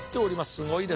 すごいですね。